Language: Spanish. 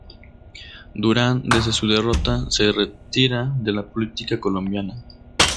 Durán desde su derrota se retira de la política colombiana.